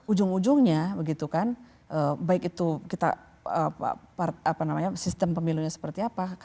ujung ujungnya baik itu sistem pemilunya seperti apa